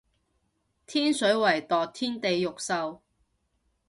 天水圍墮天地獄獸